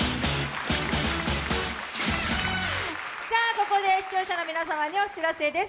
ここで視聴者の皆様にお知らせです。